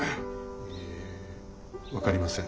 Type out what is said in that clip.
ええ分かりません。